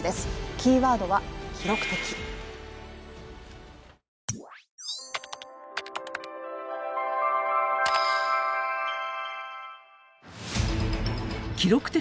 キーワードは「記録的」。